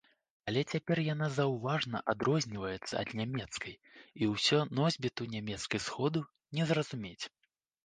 Але цяпер яна заўважна адрозніваецца ад нямецкай і ўсё носьбіту нямецкай сходу не зразумець.